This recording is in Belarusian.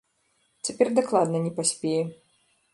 Цяпер дакладна не паспее.